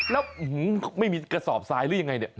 แล้วไม่มีกระสอบทรายหรือยังไงเนี่ย